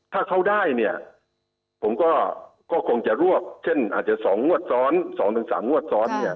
ถ้าเขาได้เนี่ยผมก็คงจะรวบเช่นอาจจะ๒งวดซ้อน๒๓งวดซ้อนเนี่ย